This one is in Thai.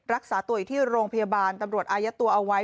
รักษาตัวอยู่ที่โรงพยาบาลตำรวจอายัดตัวเอาไว้